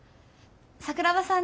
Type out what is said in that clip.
桜庭さん